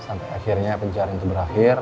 sampai akhirnya pencarian itu berakhir